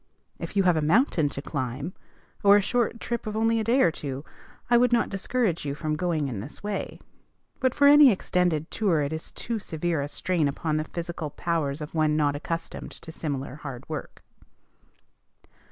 If you have a mountain to climb, or a short trip of only a day or two, I would not discourage you from going in this way; but for any extended tour it is too severe a strain upon the physical powers of one not accustomed to similar hard work.